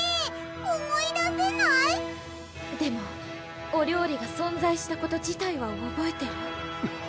思い出せない⁉でもお料理が存在したこと自体はおぼえてる？